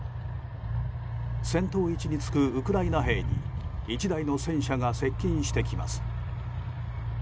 戦闘位置につくウクライナ兵に１台の戦車が接近してきます。